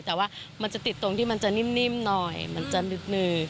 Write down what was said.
แต่ว่ามันจะติดตรงที่มันจะนิ่มหน่อยมันจะนึด